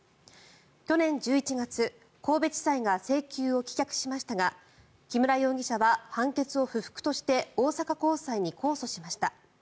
去年１１月、神戸地裁が請求を棄却しましたが木村容疑者は判決を不服として大阪高裁に控訴しました。